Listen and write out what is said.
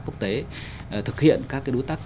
quốc tế thực hiện các cái đối tác